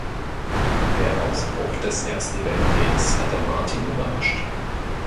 Der Ausbruch des Ersten Weltkriegs hatte Martin überrascht.